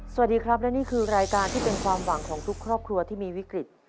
สวัสดีครับและนี่คือรายการที่เป็นความหวังของทุกครอบครัวที่มีวิกฤต